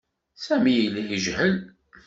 Sami yella yejhel.